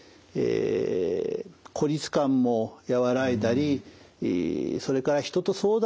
孤立感も和らいだりそれから人と相談する。